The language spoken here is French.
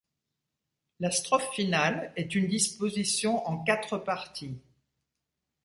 La strophe finale est une disposition en quatre parties.